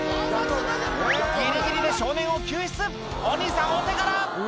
ギリギリで少年を救出お兄さんお手柄！